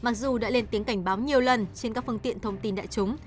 mặc dù đã lên tiếng cảnh báo nhiều lần trên các phương tiện thông tin đại chúng